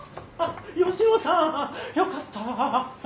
吉野さんよかった。